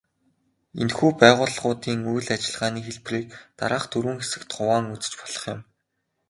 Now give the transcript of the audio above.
Энэхүү байгууллагуудын үйл ажиллагааны хэлбэрийг дараах дөрвөн хэсэгт хуваан үзэж болох юм.